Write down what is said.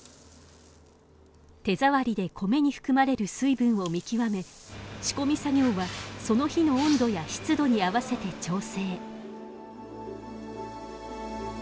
手触りで米に含まれる水分を見極め仕込み作業はその日の温度や湿度に合わせて調整。